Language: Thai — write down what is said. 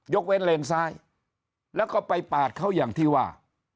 เว้นเลนซ้ายแล้วก็ไปปาดเขาอย่างที่ว่า